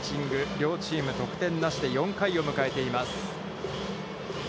両チーム、得点なしで４回を迎えています。